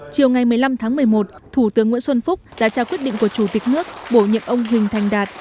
chiều ngày một mươi năm tháng một mươi một thủ tướng nguyễn xuân phúc đã trao quyết định của chủ tịch nước bổ nhiệm ông huỳnh thành đạt